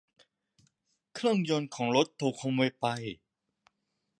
เครื่องยนต์ของรถถูกขโมยไป